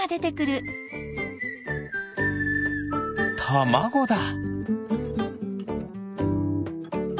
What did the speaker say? たまごだ！